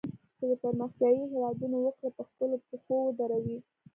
چې د پرمختیایي هیوادونو وګړي په خپلو پښو ودروي.